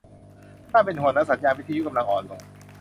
น่าเป็นห่วงนะ สัญญาณวิทยุกำลังอ่อนลง